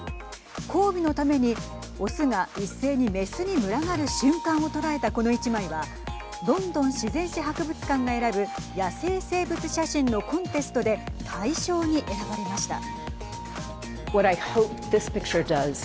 交尾のために雄が一斉に雌に群がる瞬間を捉えたこの１枚はロンドン自然史博物館が選ぶ野生生物写真のコンテストで大賞に選ばれました。